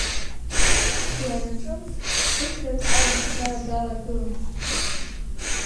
Лара ҿымҭ ԥыҭрак алашьцара далагылан.